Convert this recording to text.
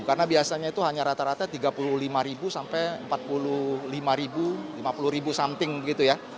karena biasanya itu hanya rata rata tiga puluh lima ribu sampai empat puluh lima ribu lima puluh ribu something gitu ya